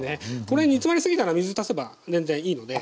これ煮詰まりすぎたら水足せば全然いいので。